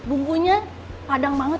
bungkunya padang banget